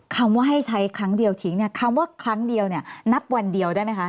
คำว่าให้ใช้ครั้งเดียวทิ้งเนี่ยคำว่าครั้งเดียวเนี่ยนับวันเดียวได้ไหมคะ